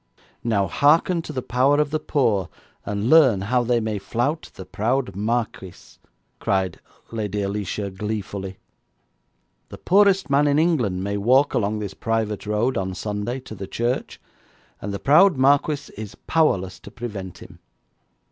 'Now hearken to the power of the poor, and learn how they may flout the proud marquis,' cried Lady Alicia gleefully; 'the poorest man in England may walk along this private road on Sunday to the church, and the proud marquis is powerless to prevent him.